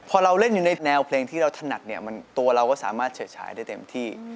พอเราเล่นอยู่ในแนวเพลงที่เราถนัดเนี่ยตัวเราก็สามารถเฉยฉายได้เต็มที่